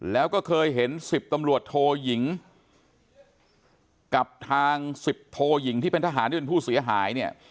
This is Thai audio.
แล้วก็เคยเห็น๑๐ตำรวจโทยิงกับทาง๑๐โทยิงที่เป็นทหารที่เป็นผู้เสียหายเนี่ย